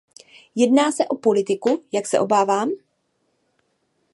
Jedná se o politiku, jak se obávám?